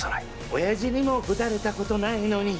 おやじにもぶたれたことないのに！